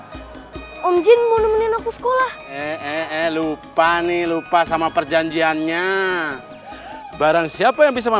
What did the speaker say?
itu om jin mau nemenin aku sekolah eh eh eh lupa nih lupa sama perjanjiannya barangsiapa yang bisa main baski